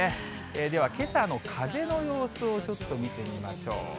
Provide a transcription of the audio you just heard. ではけさの風の様子をちょっと見てみましょう。